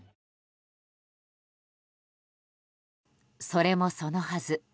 それもそのはず。